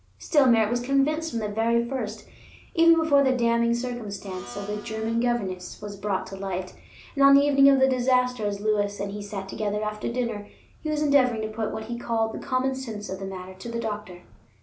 Still, Merritt was convinced from the very first, even before the damning circumstance of the German governess was brought to light; and on the evening of the disaster, as Lewis and he sat together after dinner, he was endeavoring to put what he called the common sense of the matter to the doctor.